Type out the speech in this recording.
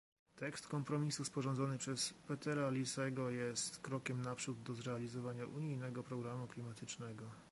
Tekst kompromisu sporządzony przez Petera Liesego jest krokiem naprzód do zrealizowania unijnego programu klimatycznego